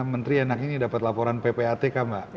menteri enaknya ini dapat laporan ppatk